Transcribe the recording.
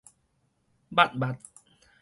識識